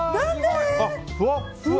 ふわっふわ！